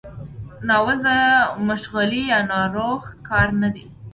ناول د مشغلې یا ناروغ کار نه دی.